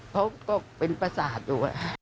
เขาก็เป็นปศาสตร์อยู่